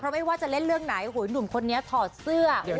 ไม่ว่าจะเล่นเรื่องไหนหนุ่มคนนี้ถอดเสื้อ